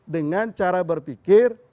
dengan cara berpikir